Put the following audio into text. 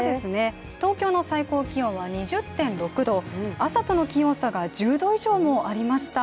東京の最高気温は２０．６度、朝との気温差が１０度以上もありました。